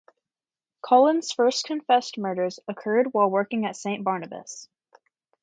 Cullen's first confessed murders occurred while working at Saint Barnabas.